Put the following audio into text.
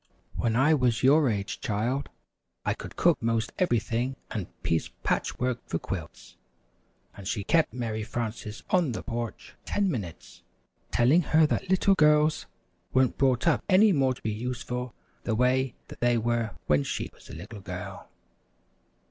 "When I was your age, child, I could cook 'most everything and piece patch work for quilts," and she kept Mary Frances on the porch ten minutes, telling her that little girls weren't brought up any more to be useful the way they were when she was a little girl.